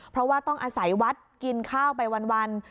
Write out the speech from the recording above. เพราะว่าต้องอาศัยวัดกินข้าวไปวัน